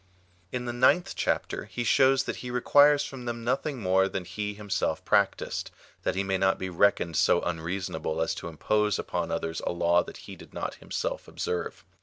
In the ninth chapter he shows that he requires from them nothing more than he himself practised, that he may not be reckoned so unreasonable as to impose upon others a laAV that he did not himself observe.